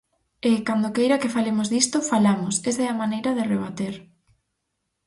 E, cando queira que falemos disto, ¡falamos!, ¡Esa é a maneira de rebater!